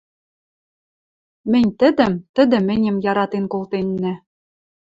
Мӹнь – тӹдӹм, тӹдӹ – мӹньӹм яратен колтеннӓ...